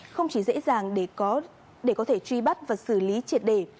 không chỉ dễ dàng để có thể truy bắt và xử lý triệt đề